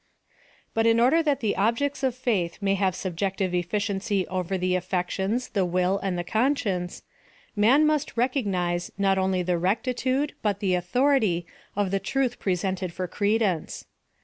But in order that the objects of Faith may have subjective efficiency over the affections, the will, and the conscience, man must recognize not only the rectitude but the authority of the truth presented for credence.